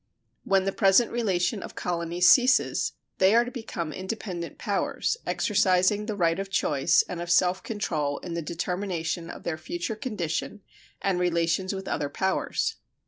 When the present relation of colonies ceases, they are to become independent powers, exercising the right of choice and of self control in the determination of their future condition and relations with other powers.